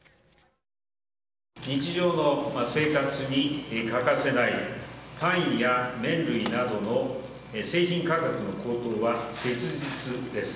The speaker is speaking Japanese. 日常の生活に欠かせないパンや麺類などの製品価格の高騰は切実です。